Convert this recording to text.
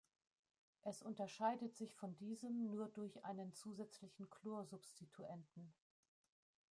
Es unterscheidet sich von diesem nur durch einen zusätzlichen Chlor-Substituenten.